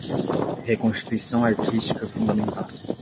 Reconstituição artística fundamental